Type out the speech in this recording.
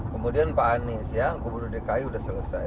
kemudian pak anies ya gubernur dki sudah selesai